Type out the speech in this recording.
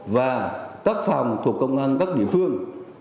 và các phòng thuộc công an các địa phương